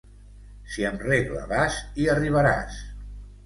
Si amb regla vas, hi arribaràs.